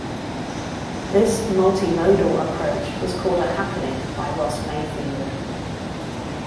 This "multimodal" approach was called a "happening" by Ross Mayfield.